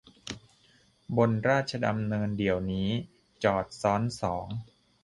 บนราชดำเนินเดี๋ยวนี้ จอดซ้อนสอง